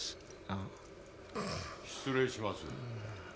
失礼します。